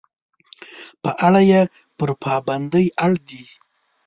په اړه یې پر پابندۍ اړ دي.